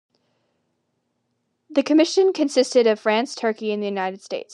The Commission consisted of France, Turkey and the United States.